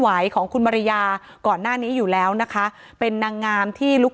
ไหวของคุณมาริยาก่อนหน้านี้อยู่แล้วนะคะเป็นนางงามที่ลุก